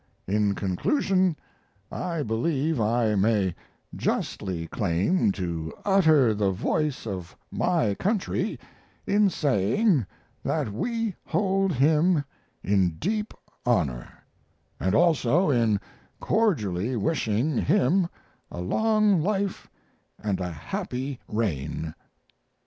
In conclusion, I believe I may justly claim to utter the voice of my country in saying that we hold him in deep honor, and also in cordially wishing him a long life and a happy reign.